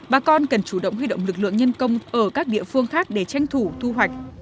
bà con cần chủ động huy động lực lượng nhân công ở các địa phương khác để tranh thủ thu hoạch